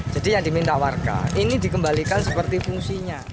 jadi yang diminta warga ini dikembalikan seperti fungsinya